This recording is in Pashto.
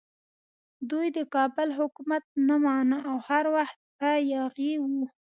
دوی د کابل حکومت نه مانه او هر وخت به یاغي وو.